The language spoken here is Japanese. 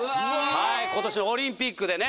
はい今年オリンピックでね